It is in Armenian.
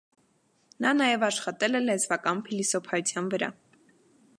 Նա նաև աշխատել է լեզվական փիլիսոփայության վրա։